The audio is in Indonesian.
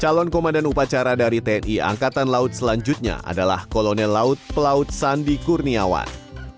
calon komandan upacara dari tni angkatan laut selanjutnya adalah kolonel laut pelaut sandi kurniawan